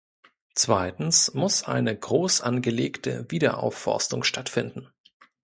Zweitens muss eine groß angelegte Wiederaufforstung stattfinden.